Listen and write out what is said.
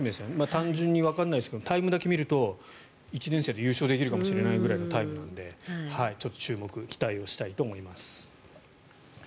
単純にタイムだけ見ると１年生で優勝できるかもしれないぐらいのタイムなのでちょっと注目期待をしたいと思います。